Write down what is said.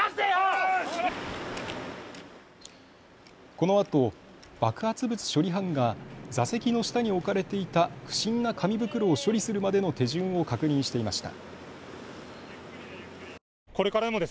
このあと爆発物処理班が座席の下に置かれていた不審な紙袋を処理するまでの手順を確認していました。